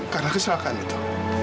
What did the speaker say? karena kesalahan itu